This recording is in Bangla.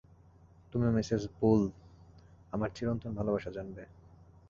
তুমি ও মিসেস বুল আমার চিরন্তন ভালবাসা জানবে।